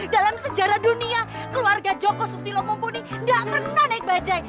dalam sejarah dunia keluarga joko susilo mumpuni tidak pernah naik bajai